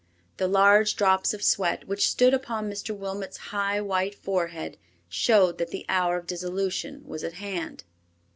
The large drops of sweat which stood upon Mr. Wilmot's high, white forehead, showed that the hour of dissolution was at hand.